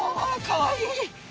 かわいい！